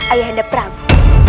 ayah henda prabu